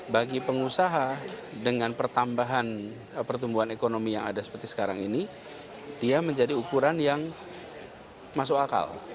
bagi pengusaha dengan pertambahan pertumbuhan ekonomi yang ada seperti sekarang ini dia menjadi ukuran yang masuk akal